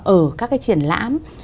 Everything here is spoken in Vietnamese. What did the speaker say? ở các cái triển lãm